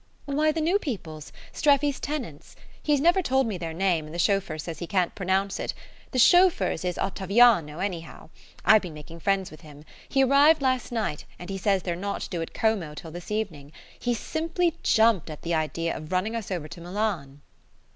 "Why, the new people's Streffy's tenants. He's never told me their name, and the chauffeur says he can't pronounce it. The chauffeur's is Ottaviano, anyhow; I've been making friends with him. He arrived last night, and he says they're not due at Como till this evening. He simply jumped at the idea of running us over to Milan."